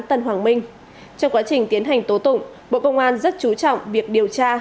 trong quá trình tiến hành tố tụng bộ công an rất chú trọng việc điều tra